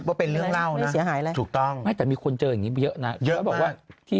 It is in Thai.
ว่าเป็นเรื่องเหล้านะถูกต้องไม่แต่มีคนเจออย่างนี้เยอะนะเยอะมาก